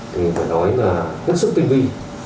thì phải nói là rất sức tinh vi